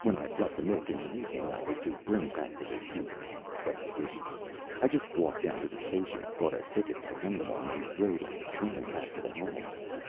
When I brought the milk in the evening I was to bring back the receipt. But I didn't. I just walked down to the station, bought a ticket like any one, and rode on the train back to the Home.